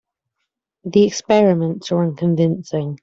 The experiments are unconvincing.